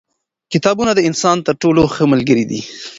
کتابونه د انسان تر ټولو ښه ملګري دي.